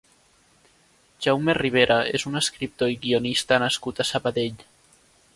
Jaume Ribera és un escriptor i guionista nascut a Sabadell.